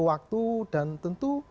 berlatih dan tentu